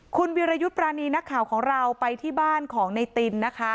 คุณวิรัยุปรานีณของเราไปที่บ้านของในตินนนะคะ